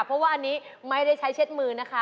เพราะว่าอันนี้ไม่ได้ใช้เช็ดมือนะคะ